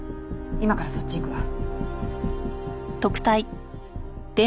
今からそっち行くわ。